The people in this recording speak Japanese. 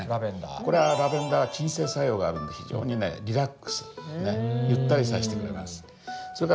これはラベンダー鎮静作用があるんで非常にねリラックスゆったりさせてくれます。